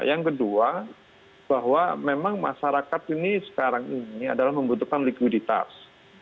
yang kedua bahwa memang masyarakat ini sekarang ini adalah membutuhkan likuiditas